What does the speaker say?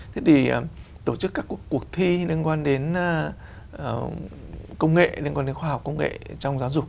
thế thì tổ chức các cuộc thi liên quan đến công nghệ liên quan đến khoa học công nghệ trong giáo dục